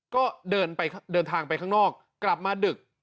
ก็เดินทางไปข้างนอกกลับมาดึก